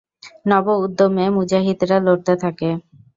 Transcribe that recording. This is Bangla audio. নব উদ্যোমে মুজাহিদরা লড়তে থাকে।